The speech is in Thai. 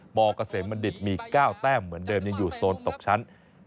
เกษมบัณฑิตมี๙แต้มเหมือนเดิมยังอยู่โซนตกชั้น